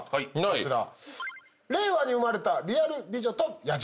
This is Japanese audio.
こちら。